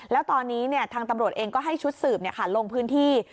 แล้วตอนนี้ทางตำรวจเองก็ให้ชุดสืบลงพื้นที่